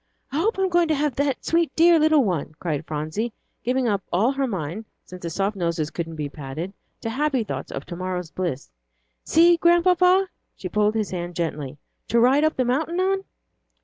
"I hope I'm going to have that dear, sweet little one," cried Phronsie, giving up all her mind, since the soft noses couldn't be patted, to happy thoughts of to morrow's bliss. "See, Grandpapa," she pulled his hand gently, "to ride up the mountain on."